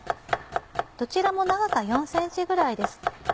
どちらも長さ４ｃｍぐらいです。